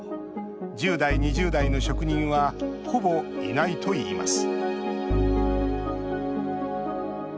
１０代、２０代の職人はほぼいないといいます